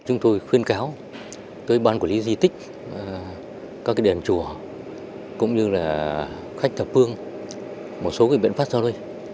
chúng tôi khuyên cáo tới ban quản lý di tích các đền chùa cũng như là khách thập phương một số biện pháp sau đây